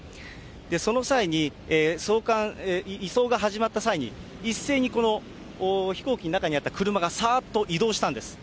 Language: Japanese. その際に、移送が始まった際に、一斉にこの飛行機の中にあった車がさーっと移動したんです。